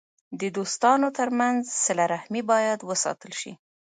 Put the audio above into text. د دوستانو ترمنځ وسیله رحمي باید وساتل سي.